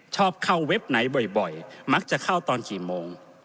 ชอบเข้าเว็บไหนบ่อยมักจะเข้าตอนกี่โมง